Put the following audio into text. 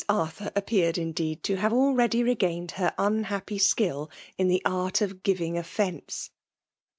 Arthur appeared, indeed, to have already regained her unhappy skill in the art of giving offence.